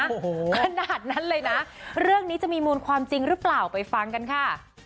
โอ้โหขนาดนั้นเลยนะเรื่องนี้จะมีมูลความจริงหรือเปล่าไปฟังกันค่ะ